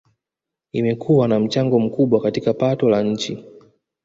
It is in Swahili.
Imekuwa na mchango mkubwa katika pato la nchi